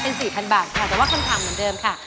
เป็น๔๐๐บาทค่ะแต่ว่าคำถามเหมือนเดิมค่ะ